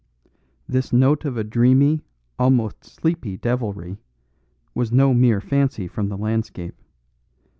This note of a dreamy, almost a sleepy devilry, was no mere fancy from the landscape.